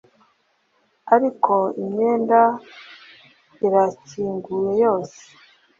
ariko imyenda irakinguye yose